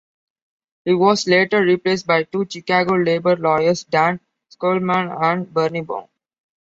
He was later replaced by two Chicago labor lawyers, Dan Schulman and Bernie Baum.